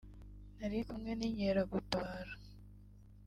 nari ndi kumwe n’inkeragutabara